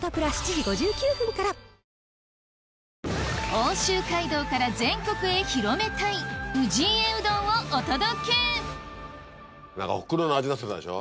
奥州街道から全国へ広めたい氏家うどんをお届け何かおふくろの味がっつってたでしょ。